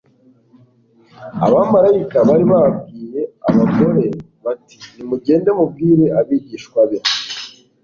Abamalayika bari babwiye abagore bati: "Nimugende mubwire abigishwa be